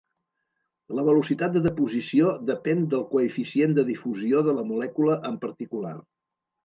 La velocitat de deposició depèn del coeficient de difusió de la molècula en particular.